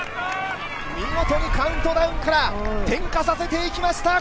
見事にカウントダウンから転化させていきました。